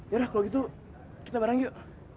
ya lah kalau gitu kita bareng yuk